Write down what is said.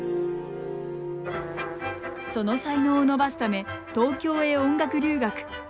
その才能を伸ばすため東京へ音楽留学。